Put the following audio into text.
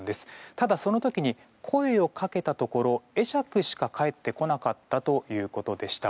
ただ、その時に声をかけたところ会釈しか返ってこなかったということでした。